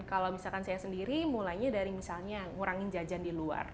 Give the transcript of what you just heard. kalau misalkan saya sendiri mulainya dari misalnya ngurangin jajan di luar